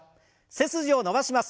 背筋を伸ばします。